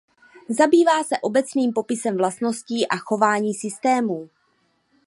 Zabývá se obecným popisem vlastností a chování systémů.